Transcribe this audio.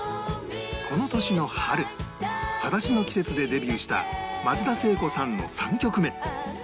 この年の春『裸足の季節』でデビューした松田聖子さんの３曲目